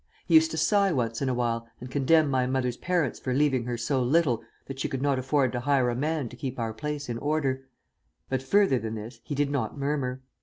He used to sigh once in awhile and condemn my mother's parents for leaving her so little that she could not afford to hire a man to keep our place in order, but further than this he did not murmur.